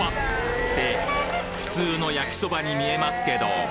普通の焼きそばに見えますけど？